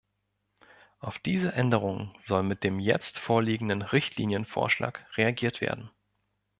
Auf diese Änderungen soll mit dem jetzt vorliegenden Richtlinienvorschlag reagiert werden.